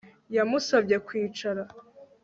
Yamusabye kwicara